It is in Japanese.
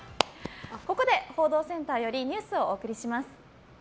ここで報道センターよりニュースをお送りします。